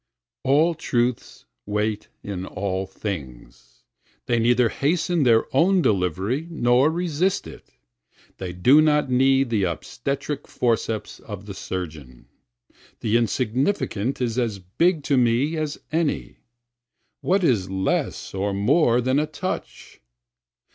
30 All truths wait in all things, They neither hasten their own delivery nor resist it, They do not need the obstetric forceps of the surgeon, The insignificant is as big to me as any, (What is less or more than a touch?)